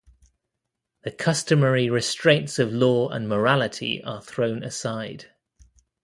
The customary restraints of law and morality are thrown aside.